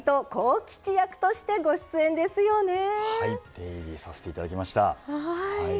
出入りさせていただきました。